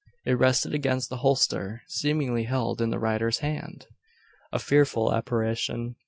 It rested against the holster, seemingly held in the rider's hand! A fearful apparition.